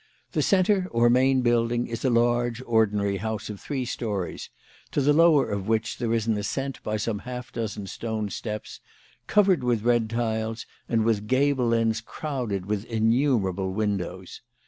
The centre or main building is a large ordinary house of three stories, to the lower of which there is an ascent by some half dozen stone steps, covered with red tiles, and with gable ends crowded with innumer able windows.